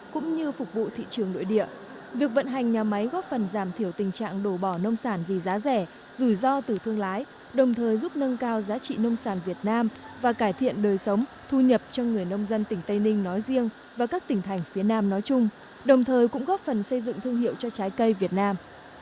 cũng như phục vụ thị trường nội địa việc vận hành nhà máy góp phần giảm thiểu tình trạng đổ bỏ nông sản vì giá rẻ rủi ro từ thương lái đồng thời giúp nâng cao giá trị nông sản việt nam và cải thiện đời sống thu nhập cho người nông dân tỉnh tây ninh nói riêng và các tỉnh thành phía nam nói chung đồng thời cũng góp phần xây dựng thương hiệu cho trái cây việt nam